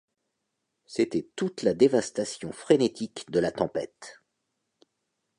C’était toute la dévastation frénétique de la tempête.